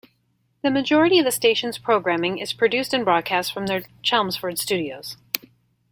The majority of the station's programming is produced and broadcast from their Chelmsford studios.